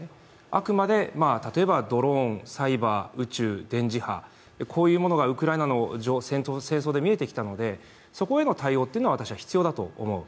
あくまで、例えばドローン、サイバー、宇宙、電磁波、こういうものがウクライナの戦争で見えてきたので、そこへの対応は私は必要だと思う。